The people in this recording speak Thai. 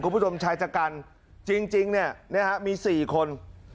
คุณผู้ชมชายชะกันจริงเนี่ยฮะมี๔คน